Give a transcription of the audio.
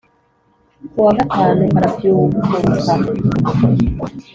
Ku wa gatanu arabyukuruka